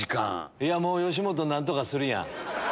いや吉本何とかするやん。